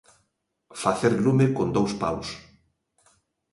Facer lume con dous paus.